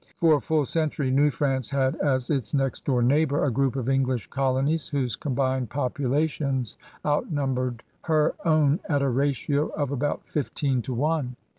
For a full century New France had as its next door neighbor a group of English colo nies whose combined populations outnumbered her own at a ratio of about fifteen to one.